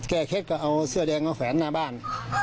เคล็ดก็เอาเสื้อแดงมาแฝนหน้าบ้าน